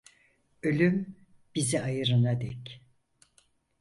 Ölüm bizi ayırana dek.